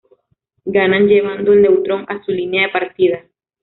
Ganan llevando el Neutrón a su línea de partida"